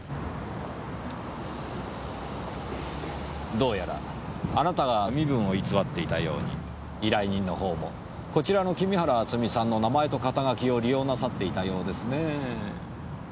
どうやらあなたが身分を偽っていたように依頼人のほうもこちらの君原敦美さんの名前と肩書きを利用なさっていたようですねぇ。